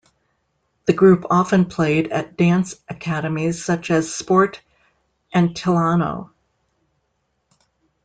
The group often played at dance academies such as Sport Antillano.